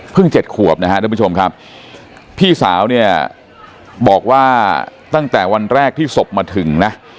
เจ็ดขวบนะฮะท่านผู้ชมครับพี่สาวเนี่ยบอกว่าตั้งแต่วันแรกที่ศพมาถึงนะ